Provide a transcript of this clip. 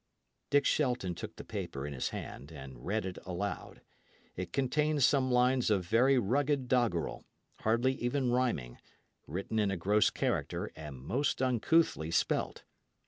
Dick Shelton took the paper in his hand and read it aloud. It contained some lines of very rugged doggerel, hardly even rhyming, written in a gross character, and most uncouthly spelt.